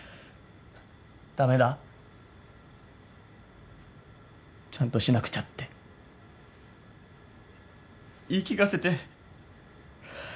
駄目だちゃんとしなくちゃって言い聞かせて。